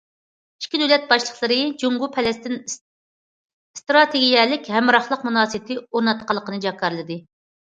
ئىككى دۆلەت باشلىقلىرى جۇڭگو- پەلەستىن ئىستراتېگىيەلىك ھەمراھلىق مۇناسىۋىتى ئورناتقانلىقىنى جاكارلىدى.